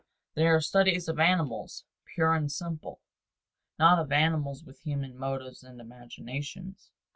They are studies of animals, pure and simple, not of animals with human motives and imaginations.